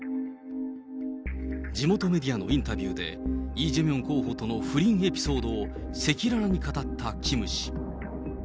地元メディアのインタビューで、イ・ジェミョン候補との不倫エピソードを赤裸々に語ったキム氏。